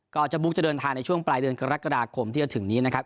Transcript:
เจ้าบุ๊กจะเดินทางในช่วงปลายเดือนกรกฎาคมที่จะถึงนี้นะครับ